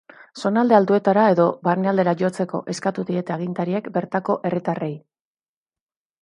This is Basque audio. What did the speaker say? Zonalde altuetara edo barnealdera jotzeko eskatu diete agintariek bertako herritarrei.